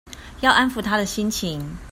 要安撫她的心情